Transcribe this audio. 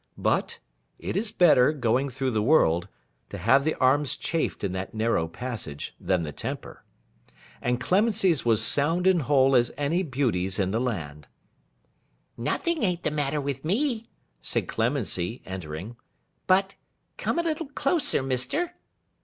But, it is better, going through the world, to have the arms chafed in that narrow passage, than the temper: and Clemency's was sound and whole as any beauty's in the land. 'Nothing an't the matter with me,' said Clemency, entering, 'but—come a little closer, Mister.